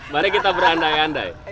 mari kita berandai andai